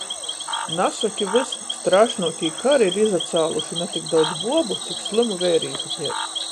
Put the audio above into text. Nasoki vys! Strāšnuokī kari ir izacāluši na tik daudz buobu, cik slymu veirīšu piec.